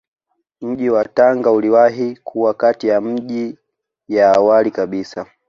Mji wa Tanga uliwahi kuwa kati ya miji ya awali kabisa